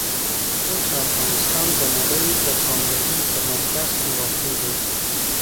اوس افغانستان د نړۍ د پاملرنې په مرکز کې واقع دی.